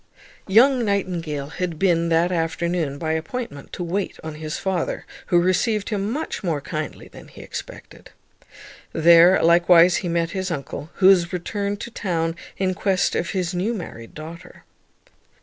Young Nightingale had been that afternoon, by appointment, to wait on his father, who received him much more kindly than he expected. There likewise he met his uncle, who was returned to town in quest of his new married daughter.